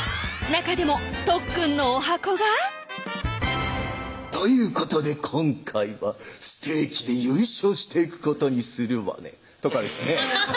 中でもとっくんの十八番が「ということで今回はステーキで優勝していくことにするわね」とかですね